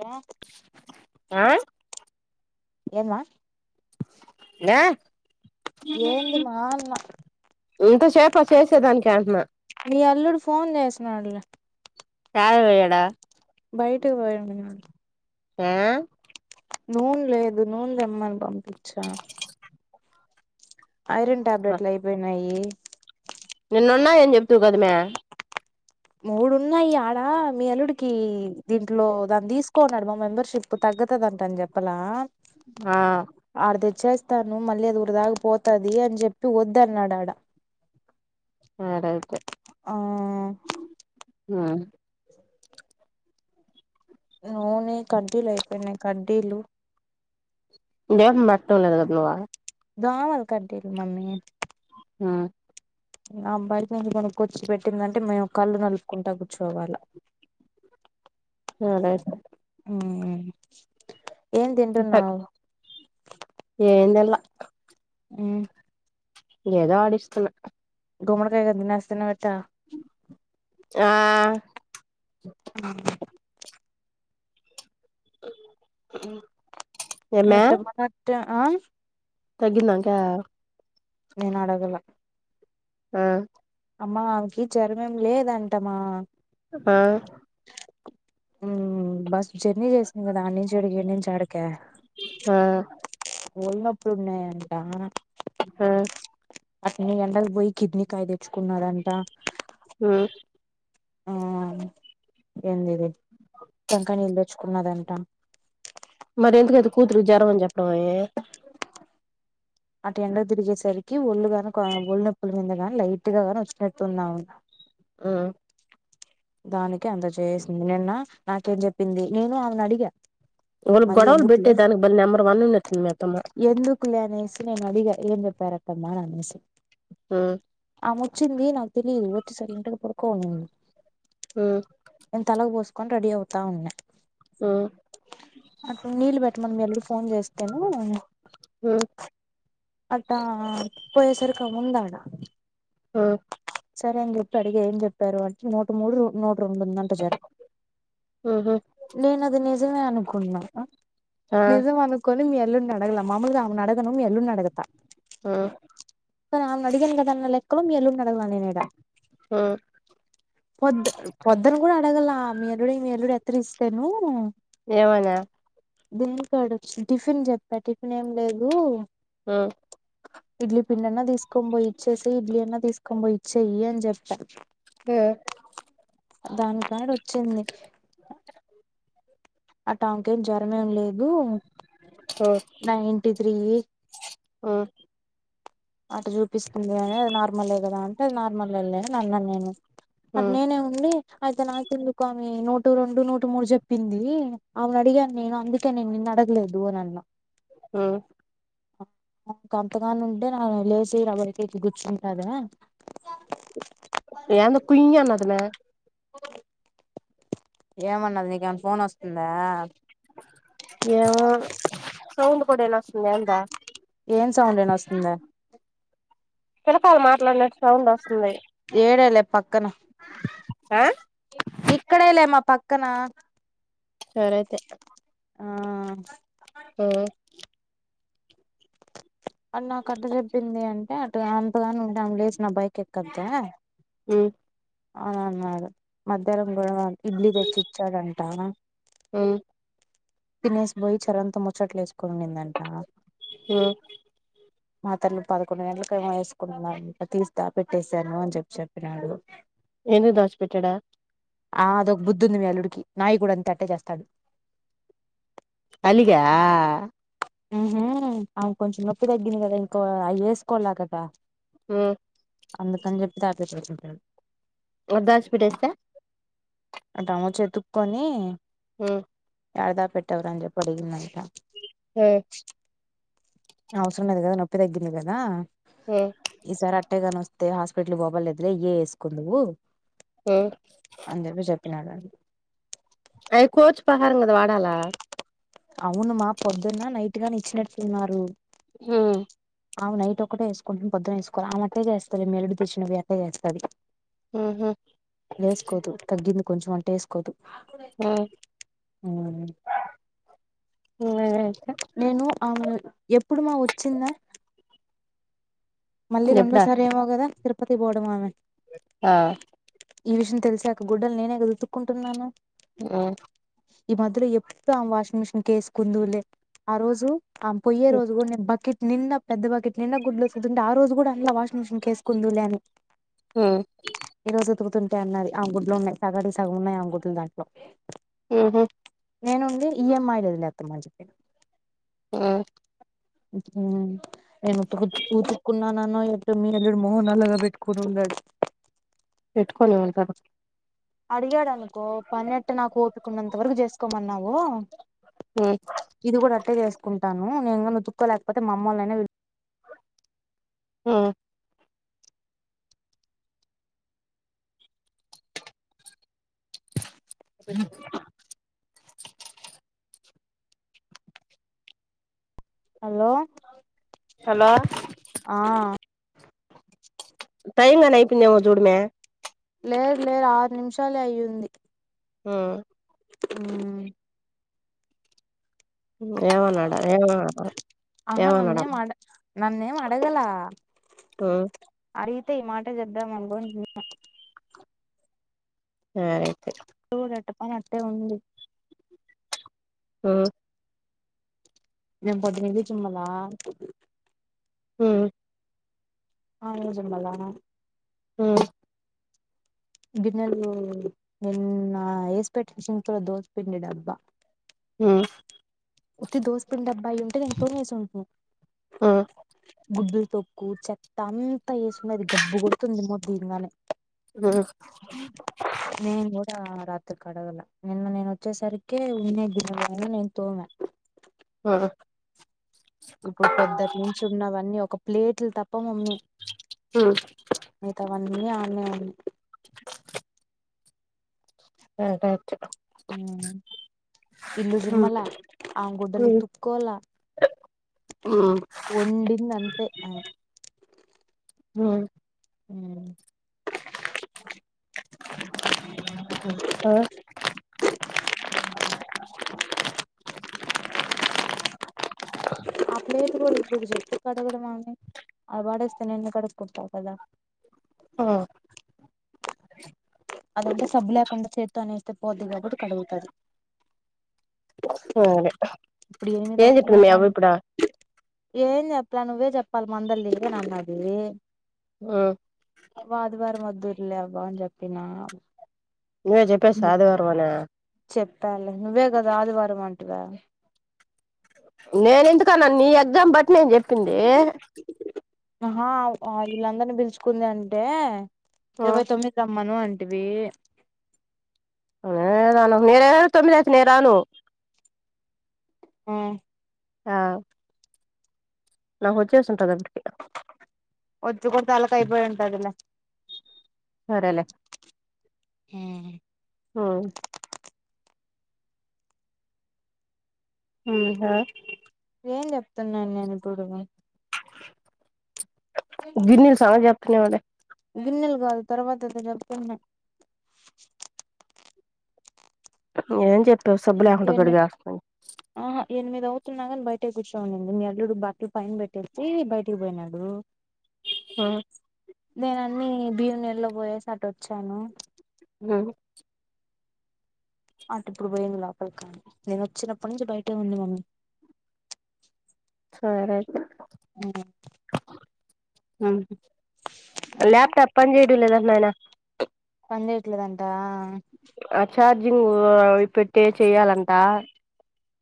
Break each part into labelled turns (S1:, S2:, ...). S1: Yeah
S2: ఆ
S1: ఏంది మా
S2: ఎందే
S1: ఏంది మా అన్న
S2: ఇంతసేప చేసేదానికి అంటన్నా
S1: మీ అల్లుడు ఫోన్ చేసినడులే
S2: యాడికి పోయాడా
S1: బయటికి [unintelligible]
S2: ఏమై
S1: నూన్ లేదు నూన్ తేమ్మని పంపించ ఐరన్ టాబ్లెట్లు అయిపోయినాయి
S2: నిన్న ఉన్నాయి అని చెప్తివి కదా మే
S1: మూడున్నాయి ఆడ మీ అల్లుడికి దీంట్లో దాన్ని తీసుకోన్నాడు మా మెంబర్షిప్ తగ్గతదంట అని చెప్పలా
S2: ఆ
S1: అడ తెచేస్ స్తాను మళ్ళీ ఉరదాగ పోతుది అని చెప్పి వద్దు అన్నాడా ఆడ
S2: సరే అయితే
S1: ఆ
S2: మ్మ్
S1: నూనీ కడ్డీలు అయిపోయినాయి కడ్డీలు
S2: దీపం పెట్టడం లేదు కదా నువ
S1: దోమల కడ్డీలు మమ్మీ
S2: మ్మ్
S1: అమ్మే బయట నుంచి కొనుకోచి పెట్టిందంటే మేము కళ్ళు నలుపుకుంటా కూర్చోవాల
S2: సరే అయితే
S1: మ్మ్
S2: [unintelligible] ఏం తినాలా
S1: మ్మ్
S2: ఏదో ఆడిస్తున్నా
S1: గుమ్మడికాయ గాన తినేస్తునవ ఎట్టా
S2: ఆ
S1: మ్మ్
S2: అ
S1: [unintelligible] ఆ
S2: తగ్గిందా అమ్మెక
S1: నేను అడగల
S2: ఆ
S1: అమ్మా ఆమెకి జరం ఏం లేదంటమా
S2: ఆ
S1: ఉహు బస్ జర్నీ చేసింది కదా అన్నించి ఈడికి ఈనించి అడికి
S2: ఆ
S1: వొల్ నొప్ ఇప్పుడున్నాయ అంటా
S2: ఆ
S1: అతని ఎండాకి పోయి కిడ్నీకాయ తెచ్చుకున్నారంట
S2: హు
S1: ఆ ఏంది ఇది టెంకాయ నీళ్ళు తెచ్చుకున్నదంట
S2: మరి ఎందుకైతే కూతురుకి జరమని చెప్పడంమె
S1: [inaudible] అటు ఎండ తిరిగేసరికి ఒళ్ళు గనుక నొప్పుల మీద గాని లైట్ గాని వచ్చినట్టున్నావును
S2: ఆ
S1: దానికి అంత చేసింది నిన్న నాకేం చెప్పింది నేను ఆమెను అడిగా
S2: వాళ్ళు
S1: మళ్ళీ
S2: గొడవలు
S1: ఎందుకులే
S2: పెట్టే దానికి బళ్ీ నెంబర్ వన్ ఉన్నట్ంది మితము
S1: కు నేసిన మగ ఇం పేరకమా నేస [inaudible]
S2: హు
S1: ఆమె వచ్చింది నాకు తెలియదు వచ్చిసరి ఇంటికి పడుకోవంది
S2: ఉమ్
S1: నేను తలకు పోసుకొని రెడీ అవుతా ఉన్నా
S2: ఉమ్
S1: నీల్బట్ట మ మ [inaudible] ఫోన్ చేస్తేనూ
S2: ఉమ్
S1: అట్టా పోయేసరికి ఉండడా
S2: ఆ
S1: సరే అని చెప్పి అడిగ ఏం చెప్పారు అంటే నూట మూడు నూట్ రొండుందంట జ్వరం
S2: ఉహు
S1: నేను అది నిజ [inaudible] కున్న
S2: ఆ
S1: నిజం అనుకొని మీ అత్ ఎల్లుండి అడగలే మాములుగా ఆమెను అడగను మీ అలుండి అడగత
S2: ఆ
S1: స నా నగన్ కదాన్నలకులం ఎళ [inaudible] [unintelligible] అడగలే నేను ఈడ పొద్దు పొద్దున కూడా అడ ఇగల మేలుడ మేలుడి అత్ర ఇస్తలేను [unintelligible]
S2: ఏమనా
S1: దీనికికాడు టిఫిన్ చెప్పా టిఫిన్ ఏం లేదు
S2: ఆ
S1: ఇడ్లీ పిండినా తీసుకొ పోయి ఇచ్చేసి ఇడ్లీ అన్నా తీసుక తొంభైయి ఈచెయ్యి అని చెప్పా
S2: ఆ
S1: దాని కాడా చింది ఆ టాంకేం జ్వరమేం లేదు బుం నైంటి త్రీ
S2: ఆ
S1: అట చూపిస్తుంది కాని అది నార్మలే కదా అంటే అది నార్మల్ ఏం అని అన్నాను నేను అది నేనే ఉండి అయితే నాకెందుకు అని నోట్ టు రెండు నూట మూడు చెప్పింది ఆమెను అడిగాను నేను అందుకే నేను నిన్ను అడగలేదు అని అన్నా
S2: ఊ
S1: కంత గానం అంటే ఆమె లేసి [unintelligible] గుచ్చుంటాదా
S2: యామె కుయ్ అన్నది మే
S1: ఏమన్నది నీకేమన్నా ఫోన్ వస్తుందా
S2: ఏమో సౌండ్ కూడా వినస్తుంది ఏందా
S1: ఏం సౌండ్ ఇనస్తుందా
S2: పిలకాయలు మాట్లాడినట్టు సౌండస్
S1: ఈడేలేె పక్కన
S2: ఆ
S1: ఇక్కడేలే మా పక్కన
S2: సరే ఐతే
S1: ఆ
S2: పో
S1: ఆమె నాకు ఎట్టా చెప్పింది అంటే [unintelligible] లేచి నా బైక్ కెక్కద్దా
S2: ఊ
S1: అవునన్నాడు మధ్యానం కూడా [inaudible] ఇడ్లీ తెచ్చిచ్చాడంటా తినేసి భోయి చరణతో ముచ్చట్లు ఏసు కొండిందంట మాతర్లు పదకొండు గంటలకు ఏమో వేసుకున్న తీసి దాసి పెట్టేసాను అని చెప్పి చెప్పినాడు.
S2: ఎందుకు దాచిపెట్టాడు
S1: ఆ అదొక బుద్ధుంది మీ అల్లుడికి నాయి కూడా అంతే అట్టే చేస్తాడు
S2: అలిగా
S1: ఉహు అయనకు కొంచెం నొప్పి తగ్గింది కదా ఇంక అవి వేసుకోలా కద అందుకని చెప్పి దాపెట్టి ఉంటాడు
S2: వాడు దాసి పెట్టేస్తే
S1: అడమ చేతుక్కొని
S2: ఆ
S1: యాడ దాపెట్టావురా అని చెప్పి అడిగిందట
S2: ఆ
S1: అవసరం లేదు కదా నొప్పి తగ్గింది కదా ఈసారి అట్టేగానొస్తే అతే హాస్పిటల్కి పోబల్లేదులే ఇయ్యే ఎసుకుందువు.
S2: ఉ
S1: నాగన్
S2: అయి కోచ్ పహారూం కదా వాడాలా.
S1: అవునుమా పొద్దున్న, నైట్ గాని ఇచ్చినట్టున్నారు.
S2: ఉ
S1: ఆమె నైట్ ఒకటే ఏసుకుంటుంది పొదున్న ఇసుకోల ఆమట్టే చేస్తాది మీ అల్లుడు తెచ్చినప్పుడు అట్టే చేస్తాది. వేస్కోదు తగ్గింది. కొంచెం అంట వేసుకోదు. ఊ
S2: [unintelligible]
S1: నేను ఆమెను ఎప్పుడుమ వచ్చింద. మళ్ళీ రెండో సారి ఏమో గద. తిరుపతి బోర్డు మామె
S2: ఆ
S1: ఈ విషయం తెలిసిక గుడ్డలు నేనే కదా ఉతుకుంటున్నాను.
S2: ఉ
S1: ఈ మధ్యలో ఎప్పుడు ఆమే వాషింగ్ మిషిన్ కేసుకుందిలే ఆ రోజు. ఆ పోయ్యే రోజు కూడా నేను బకిట్ నిన్న పెద్ద బకిట్ నిన్న గుడ్లోసు దుందా ఆ రోజు కూడా అన్నా వాషింగ్ మిషన్ కి వేసుకుందువు లే అని ఈ రోజు ఉతుకుతుం దే అన్నది ఆమె గుడ్లో ఉన్నాయి సగానికి సగం ఉన్నాయి ఆమె గుడ్లో దాంట్లో.
S2: ఉహూ
S1: నేను ఉండి ఈ ఎం ఐ లు వదిలేతామం మర్చిపోయా
S2: మ్
S1: [unintelligible] కున్నా నన్న ఇట్ట మీ అల్లుడు మోహం నల్గా బెట్టుకొని ఉన్నాడు.
S2: పెట్టుకొని ఉంటాన
S1: అడిగాడను కొ పన్నెట్ట నాకు ఓపకున్నంత వరకు చేసు కొమన్నావు ఇది కూడా అట్టె చేసుకుం టాను నేను గిన ఉతుకొ లేకపోతే మా అమ్మోల్ని అయినా
S2: మ్ ఆ
S1: హలో
S2: హలో
S1: ఆ
S2: టైం గాని అయిపొయిందేమె చూడుమే
S1: లేదు లేదు ఆరు నిమిషాలే అయింది.
S2: ఊ
S1: మ్
S2: మ్ ఏమన్నాడా ఏమనా
S1: ఆహా
S2: ఏమన్నాడా
S1: నన్నేం అడ నన్నేం అడగల
S2: మ్మ్
S1: అడిగితే ఈ మాట చేబ్ద్దాం అనుకొని ఉన్నా
S2: సరే
S1: డోర్ ఎట్ట పని అట్టే ఉంది
S2: మ్మ్
S1: నేను పొద్దులేచినా మల్లా
S2: హ్మ్మ్
S1: ఆమె కూడ చిమాల
S2: హ్మ్మ్
S1: గిన్నలు నిన్న వేసి పెట్టి షింక్ ల దోశ పిండి డబ్బా
S2: మ్మ్
S1: ఉత్తి దోస పిండి డబ్బా అయి ఉంటే నేను తోమెసి ఉండును
S2: ఉమ్
S1: గుడ్లు తొక్కు చెత్త అంతా ఏసి ఉన్నది గబ్బు కొడుతుంది [unintelligible] దిగంగానే
S2: మ్మ్
S1: నేను కూడా కడగల నిన్న నేను వచ్చేసరికి ఉన్నాయి గిన్నెలు అయిన నేను తోమ
S2: ఆ
S1: ఇప్పుడు పొద్దుట నుంచి ఉన్నవన్నీ ఒక ప్లేట్లు తప్ప మమ్మీ
S2: ఉమ్
S1: మిగతావన్నీ ఆమెయే వన్ని
S2: ఉంట
S1: హ్మ్మ్ ఇల్లు
S2: ఉమ్
S1: జిమ్మల ఆ గుడ్డలు
S2: ఉమ్
S1: ఉతుక్కోలా
S2: ఉమ్
S1: వండిందంతే ఆ.
S2: హ్మ్మ్
S1: హ్మ్మ్
S2: ఆ
S1: ఆ ఆ పేరు కి కూడా ఎందుకు చెప్పు కడగడం అని అలవడేస్తే నేను కడుక్కుంటా కదా.
S2: ఆ
S1: అదంతే సబ్బు లేకుండా చేత్తోనే ఏస్తే పోద్ది కాబట్టి కడుగుతాది.
S2: సరే ఏం ఇప్పుడు యవ్వ ఇప్పుడా
S1: ఏం చెప్పాల నువ్వే చెప్పాలి మందరివే నామ్న్నది
S2: ఉమ్
S1: ఆదివారం వదుర్లే అవ్వా అని చెప్పిన.
S2: నువే చెప్పే సాదివర్వామనా
S1: చెప్పాలి నువ్వే కదా ఆదివారం అంటివా
S2: నేను ఎందుకన్నా నీ ఎగ్జాం బట్ నేను చెప్పింది
S1: ఆహా వీళ్ళందరిని పిలుచుకుంది అంటే
S2: ఉమ్
S1: ఇరవై తొమ్మిది రమ్మను అన్ అది
S2: అద నేర తొమ్మిది నేన్ రాను
S1: ఆ
S2: ఆ నాకు వచ్చేసు అనుకుంటారు అటా
S1: పొద్దు పొద్దులకి అయిపోయింటది లే
S2: సరేలేే
S1: మ్మ్
S2: మ్మ్ మ్మ్ ఆ
S1: ఏం చెప్తున్నాను నేను ఇప్పుడు
S2: గిన్నెల్ [unintelligible] నే వాళ్ళే
S1: గిన్నెలు కాదు తర్వాత అ ఉన్న
S2: తకు ఏం చెప్ టో సబ్బల్యాకండ పెరిగారం
S1: అది అవుతున్నా కాని బయట కూర్చోండి మీ అల్లుడు బట్టలు పైన పెట్టేసి బయటికి పోయినాడు
S2: మ్మ్
S1: నేన్ అన్ని భీవ నెలలో పోయేసి అటు వచ్చాను
S2: మ్మ్
S1: అటు ఇప్పుడు పోయింది లోపలి కానీ నేను వచ్చినప్పటి నుంచి బయటే ఉంది మమ్మీ
S2: సరే అయితే
S1: మ్మ్
S2: అమ్
S1: ఆ
S2: ల్యాప్టాప్ పని చెయ్యడం లేదన్ నేనా
S1: చెయ్యట్లేదు అన్
S2: చార్జింగు పెట్టే చెయాలంట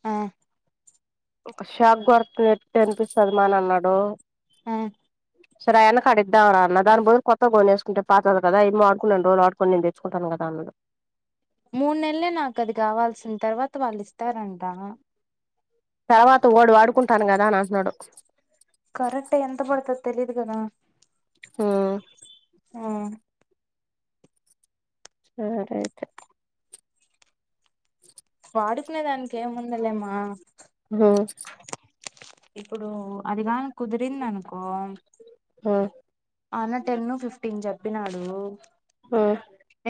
S1: ఆ
S2: ఒక షాక్ కొరతట్టి అనిపిస్తుంది మా అని అన్నాడు
S1: మ్మ్
S2: సరే ఆయన్న కాడ ఇద్దాం రా అన్న దాని బదులు కొత్త కొనేసుకుంటే పాతదు కదా ఏమో ఆడున్నా రొండు రోజు ఆడుని నేను తెచ్చుకుంటను కదా అన్నాడు
S1: మూడు నెల్లే నాకు అది కావాల్సిన తర్వాత వాళ్ళు ఇస్తారంట
S2: తర్వాత వాడు వాడుకుంటాను కదా అని అంటున్నాడు
S1: కరెక్ట్ ఎంత పడతది తెలిదు గద
S2: హ్మ్
S1: మ్మ్
S2: సరే అయితే
S1: వాడుకునే దానికి ఏముందిలేమా
S2: హ్మ్
S1: ఇప్పుడు అదిగాని కుదిరింది అనుకో
S2: మ్మ్
S1: ఆ అన్న టెన్ను ఫిఫ్టీన్ జెప్ ప్పినాడు
S2: హ్మ్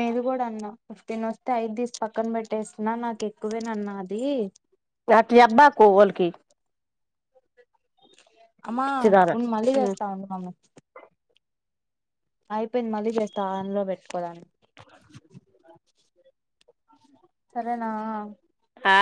S1: ఏది కూడా ఫిఫ్టీన్ వస్తే ఐదు దీసు పక్కన పెట్టేసిన నాకు ఎక్కువే నన్న అది
S2: అట్ట చెప్పమకు ఎవరికి
S1: అమా
S2: పిచ్చిదాన
S1: ఉన్ మల్లి చేస్త ఉండు మ అయిపోయింది మళ్ళీ చేస్తే ఆనలో పెట్టుకోలని సరేనా
S2: ఆ